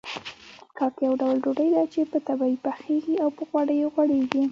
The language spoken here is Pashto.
کاک يو ډول ډوډۍ ده چې په تبۍ پخېږي او په غوړيو غوړېږي.